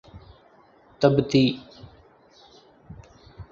تبتی